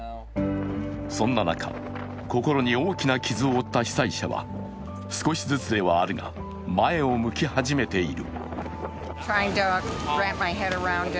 そんな中、心に大きく傷を負った被災者は少しずつではあるが前を向き始めている。